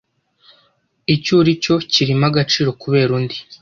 icyo uri cyo kirimo agaciro kubera undi